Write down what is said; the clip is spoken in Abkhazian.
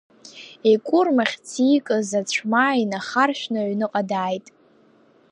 Икәырмахьц иикыз ацәмаа инахаршәны аҩныҟа дааит.